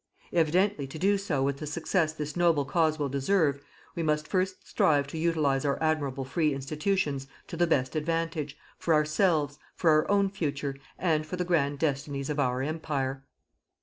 Evidently to do so with the success this noble cause will deserve, we must first strive to utilize our admirable free institutions to the best advantage, for ourselves, for our own future, and for the grand destinies of our Empire.